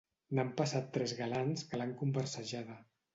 N'han passat tres galants que l'han conversejada.